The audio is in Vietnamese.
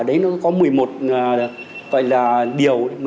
đấy nó có một mươi một gọi là điều